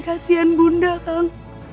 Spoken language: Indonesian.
kasian bunda kang